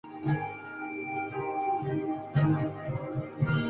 Es profesor del conservatorio de Ginebra, donde imparte clases de virtuosismo.